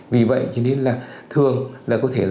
vì vậy cho nên là thường là có thể